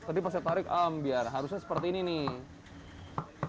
tadi pas saya tarik am biar harusnya seperti ini nih